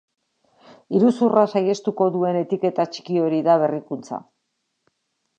Iruzurra saihestuko duen etiketa txiki hori da berrikuntza.